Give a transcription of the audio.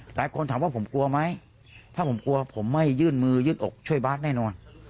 หลายคนถามว่าผมกลัวไหมถ้าผมกลัวผมไม่ยื่นมือยืดอกช่วยบาทแน่นอน